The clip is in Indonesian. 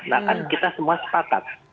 nah kan kita semua sepakat